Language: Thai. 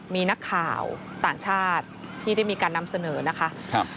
มีนักข่าวต่างชาติที่ได้มีการนำเสนอนะคะ